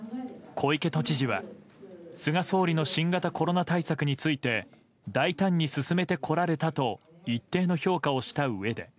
小池都知事は、菅総理の新型コロナ対策について、大胆に進めてこられたと、一定の評価をしたうえで。